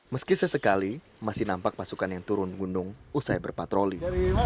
meski sesekali masih nampak pasukan yang turun gunung usai berpatroli